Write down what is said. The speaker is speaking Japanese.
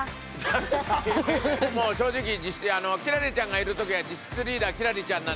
もう正直輝星ちゃんがいる時は実質リーダーは輝星ちゃんなんで。